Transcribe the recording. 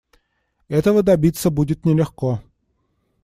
Этого добиться будет нелегко.